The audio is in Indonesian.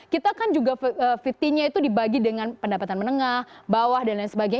kita kan juga lima puluh nya itu dibagi dengan pendapatan menengah bawah dan lain sebagainya